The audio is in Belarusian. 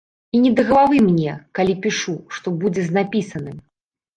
І не да галавы мне, калі пішу, што будзе з напісаным.